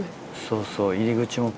そうそう。